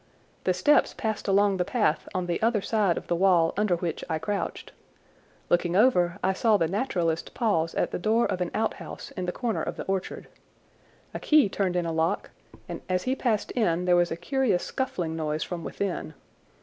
The steps passed along the path on the other side of the wall under which I crouched. Looking over, I saw the naturalist pause at the door of an out house in the corner of the orchard. A key turned in a lock, and as he passed in there was a curious scuffling noise from within.